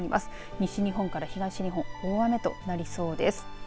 西日本から東日本大雨となりそうです。